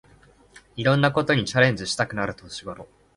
いろんなことにチャレンジしたくなる年ごろ